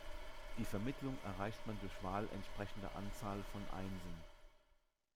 Die Vermittlung erreicht man durch Wahl entsprechender Anzahl von Einsen.